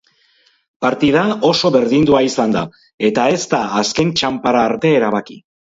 Partida oso berdindua izan da eta ez da azken txanpara arte erabaki.